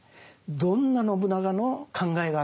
どんな信長の考えがあったのか